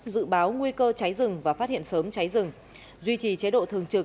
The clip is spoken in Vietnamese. dự báo nguy cơ cháy rừng và phát hiện sớm cháy rừng duy trì chế độ thường trực